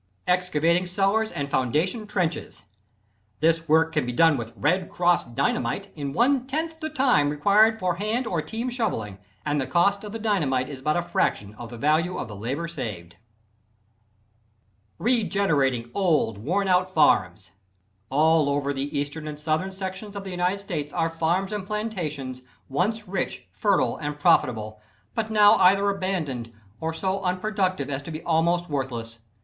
Excavating Cellars and Foundation Trenches. This work can be done with "Red Cross" Dynamite in one tenth the time required for hand and team shoveling, and the cost of the dynamite is but a fraction of the value of the labor saved. Regenerating Old, Worn Out Farms. All over the Eastern and Southern sections of the United States are farms and plantations, once rich, fertile and profitable, but now either abandoned, or so unproductive as to be almost worthless.